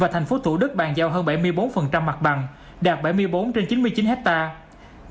và thành phố thủ đức bàn giao hơn bảy mươi bốn mặt bằng đạt bảy mươi bốn trên chín mươi chín hectare